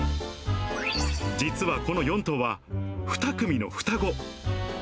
実はこの４頭は、２組の双子。